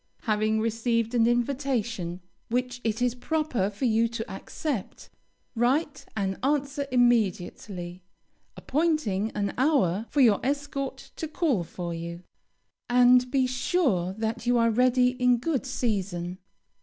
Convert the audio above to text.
Having received an invitation which it is proper for you to accept, write an answer immediately, appointing an hour for your escort to call for you, and be sure that you are ready in good season.